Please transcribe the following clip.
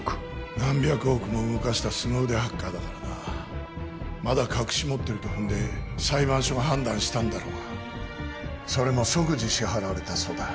何百億も動かしたすご腕ハッカーだからなまだ隠し持ってると踏んで裁判所が判断したんだろうがそれも即時支払われたそうだ